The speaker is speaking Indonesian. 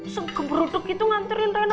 seberuduk gitu nganterin rena